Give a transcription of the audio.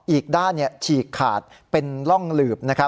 อีกด้านฉีกขาดเป็นร่องหลืบ